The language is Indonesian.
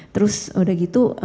terus udah gitu